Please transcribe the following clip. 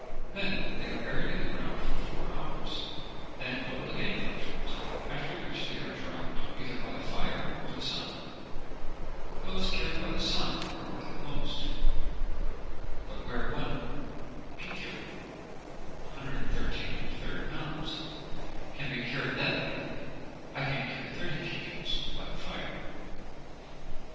They are then buried in the ground for four hours, then boiled again for a short time, after which they are dried, either by the fire or the sun. Those cured by the sun are worth the most; but where one picul (133 1/3 lbs.) can be cured that way, I can cure thirty piculs by the fire.